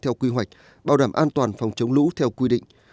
theo quy hoạch bảo đảm an toàn phòng chống lũ theo quy định